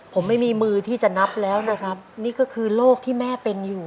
ผมไม่มีมือที่จะนับแล้วนะครับนี่ก็คือโรคที่แม่เป็นอยู่